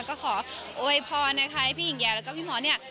ก็ขอโวยพรนะคะให้พี่หญิงแย้แล้วก็พี่มอสเนี่ย